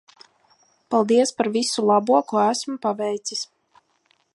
Paldies par visu labo ko esmu paveicis.